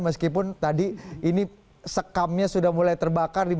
meskipun tadi ini sekamnya sudah mulai terbakar